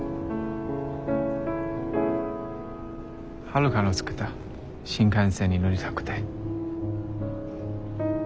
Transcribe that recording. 春香の作った新幹線に乗りたくて。